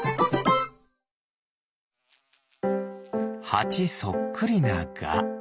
ハチそっくりなガ。